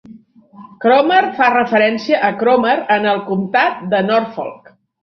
Cromer fa referència a Cromer en el comtat de Norfolk.